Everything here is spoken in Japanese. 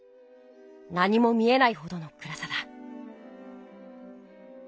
何も見えないほどのくらさだ。